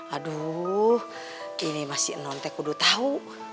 aduh ini masih nontek kudu tau